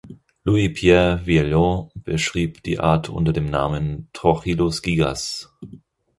Louis Pierre Vieillot beschrieb die Art unter dem Namen "Trochilus gigas".